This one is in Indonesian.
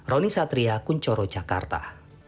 roni satria kuncoro jakarta